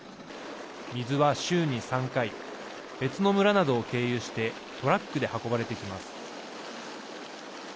水は週に３回別の村などを経由してトラックで運ばれてきます。